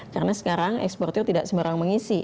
karena sekarang eksportir tidak sembarang mengisi